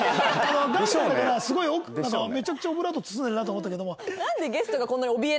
岩ちゃんだからすごいめちゃくちゃオブラートに包んでるなって思ったけども。